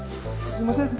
すすいません。